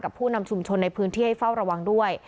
ผู้นำชุมชนในพื้นที่ให้เฝ้าระวังด้วย